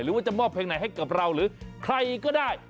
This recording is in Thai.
ว่าจะมอบเพลงไหนให้กับเราหรือใครก็ได้